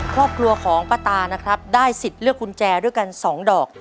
ครอบครัวของป้าตานะครับได้สิทธิ์เลือกกุญแจด้วยกัน๒ดอก